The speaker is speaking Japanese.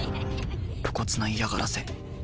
露骨な嫌がらせ。